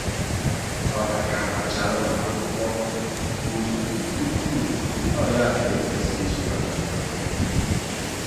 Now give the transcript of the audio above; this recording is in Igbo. Nwaanyị Otu Ụkwụ Ahụ Na-Ebugharịbụ Mmiri Na Lagos Egoola Ụlọelu Ọhụrụ